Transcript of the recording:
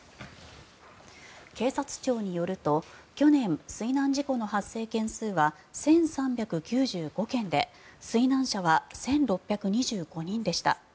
警察庁によると去年、水難事故の発生件数は１３９５件で水難者は１６２５人でした。